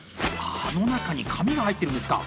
あの中に紙が入ってるんですか！